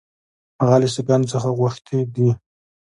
هغه له سیکهانو څخه غوښتي دي.